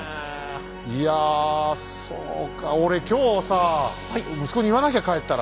いやそうか俺今日さあ息子に言わなきゃ帰ったら。